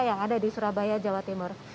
yang ada di surabaya jawa timur